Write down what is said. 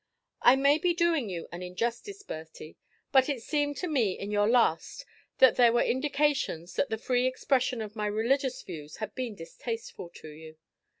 I may be doing you an injustice, Bertie, but it seemed to me in your last that there were indications that the free expression of my religious views had been distasteful to you.